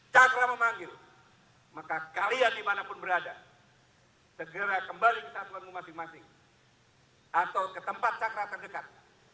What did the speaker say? cakra memanggil maka kalian dimanapun berada segera kembali ke satuanmu masing masing atau ke tempat cakra terdekat